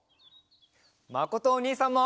まことおにいさんも。